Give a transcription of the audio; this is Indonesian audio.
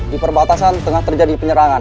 di perbatasan tengah terjadi penyerangan